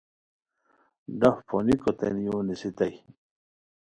ڈف پھونیکوتین یُو نیستائے